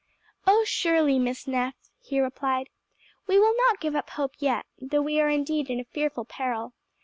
"Oh surely, Miss Neff!" he replied; "we will not give up hope yet, though we are indeed in fearful peril.